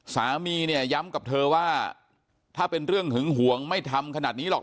สามีเนี่ยย้ำกับเธอว่าถ้าเป็นเรื่องหึงหวงไม่ทำขนาดนี้หรอก